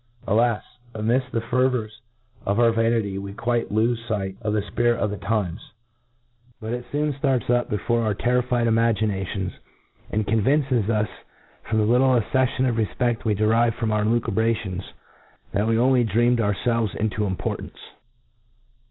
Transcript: Alas! amidft the fervors of our vanity, we quUe Ibfe fight of the fpirlt of the times ; but it foon ftarts up be fore our terrified imaginations, and convinces us, from the little acceffion of refpeift we derive from our lucubrations, that we only dreamed ourfelves into importance.